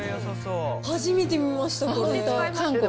初めて見ました、これ。